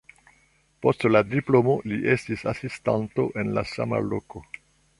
Post la diplomo li estis asistanto en la sama loko.